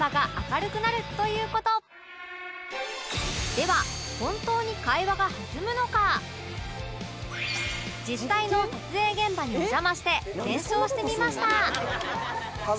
では実際の撮影現場にお邪魔して検証してみました